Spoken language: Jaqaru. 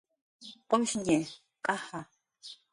Q'ushñi, q'aja